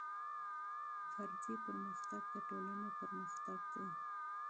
فردي پرمختګ د ټولنې پرمختګ دی.